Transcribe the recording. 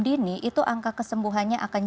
dini itu angka kesembuhannya akan